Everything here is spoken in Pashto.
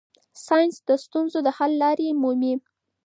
ساینس د ستونزو د حل لارې مومي.